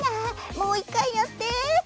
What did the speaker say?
もう１回やって。